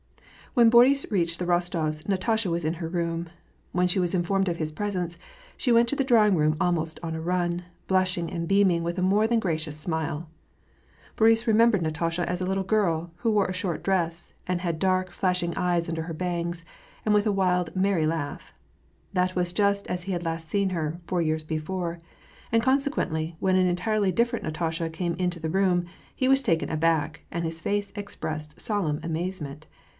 When Boris reached the llostofs', Natasha was in her room. When she was informed of his presence, she went to the draw ing room almost on a run, blushing and beaming with a more than gracious smile. Boris remembered Natasha as a little girl, who wore a short dress, and had dark, flashing eyes under her bangs, and with a wild, merry laugh. That was just as he had last seen her, four years before ; and consequently, when an entirely differ ent Natasha came into the room, he was taken aback, and his face expressed solemn amazement.